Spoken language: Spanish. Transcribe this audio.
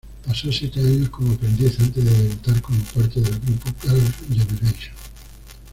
Pasó siete años como aprendiz antes de debutar como parte del grupo Girls' Generation.